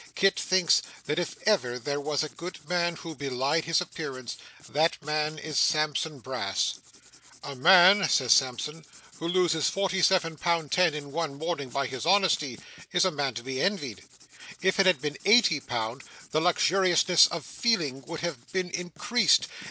Kit thinks that if ever there was a good man who belied his appearance, that man is Sampson Brass. 'A man,' says Sampson, 'who loses forty seven pound ten in one morning by his honesty, is a man to be envied. If it had been eighty pound, the luxuriousness of feeling would have been increased.